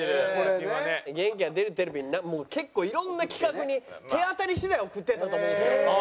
『元気が出るテレビ！！』に結構色んな企画に手当たり次第送ってたと思うんですよ。